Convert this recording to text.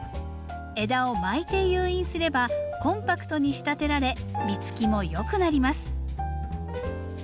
枝を巻いて誘引すればコンパクトに仕立てられ実つきも良くなります。